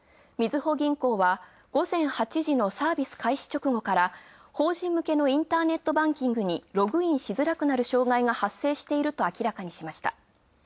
みずほ銀行は午前８時のサービス開始直後から法人向けのインターネットバンキングにログインしづらくなる障害が発生していると明らかにした。